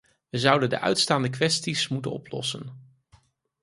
We zouden de "uitstaande kwesties” moeten oplossen.